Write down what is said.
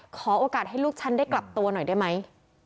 ขอโอกาสให้ลูกฉันได้กลับตัวหน่อยได้ไหม